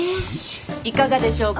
いかがでしょうか？